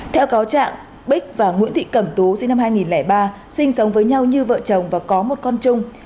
theo cáo trạng bích và nguyễn thị cẩm tú sinh năm hai nghìn ba sinh sống với nhau như vợ chồng và có một con chung